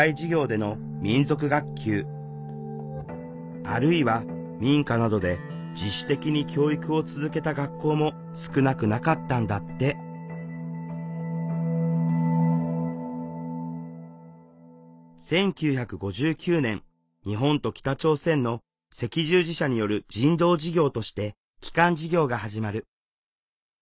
でもその後も民族教育を求める声は強くあるいは民家などで自主的に教育を続けた学校も少なくなかったんだって１９５９年日本と北朝鮮の赤十字社による人道事業として帰還事業が始まる。